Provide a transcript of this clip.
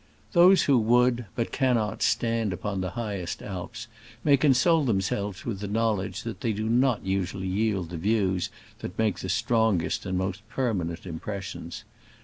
Those who would, but cannot, stand upon the highest Alps may console themselves with the knowledge that they do not usually yield the views that make the strongest and most perma nent impressions.